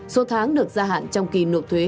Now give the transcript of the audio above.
số tháng được gia hạn trong kỳ nộp thuế